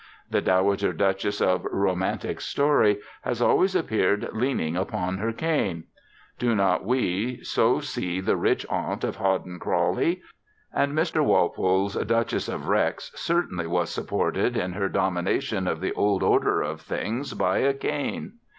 The dowager duchess of romantic story has always appeared leaning upon her cane. Do not we so see the rich aunt of Hawden Crawley? And Mr. Walpole's Duchess of Wrexe, certainly, was supported in her domination of the old order of things by a cane.